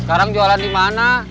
sekarang jualan dimana